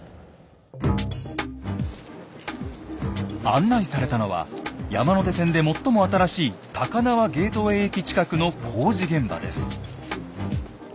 案内されたのは山手線で最も新しい高輪ゲートウェイ駅近くの工事現場です。